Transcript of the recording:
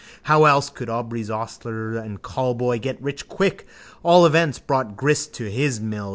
How else could Aubrey's ostler and callboy get rich quick? All events brought grist to his mill.